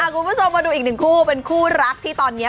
คุณผู้ชมมาดูอีกหนึ่งคู่เป็นคู่รักที่ตอนนี้